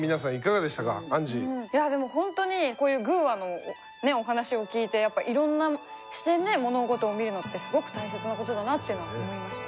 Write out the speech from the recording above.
いやぁでもほんとにこういう「グぅ！話」のねお話を聞いてやっぱいろんな視点で物事を見るのってすごく大切なことだなって思いました。